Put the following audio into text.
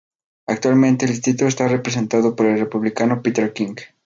Actualmente el distrito está representado por el Republicano Peter King.